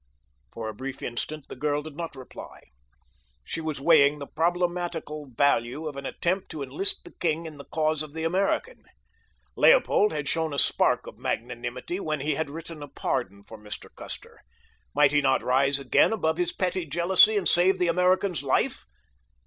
For a brief instant the girl did not reply. She was weighing the problematical value of an attempt to enlist the king in the cause of the American. Leopold had shown a spark of magnanimity when he had written a pardon for Mr. Custer; might he not rise again above his petty jealousy and save the American's life?